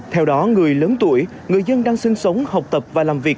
theo đó người lớn tuổi người dân đang sinh sống học tập và làm việc